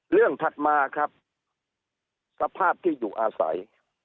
ถัดมาครับสภาพที่อยู่อาศัย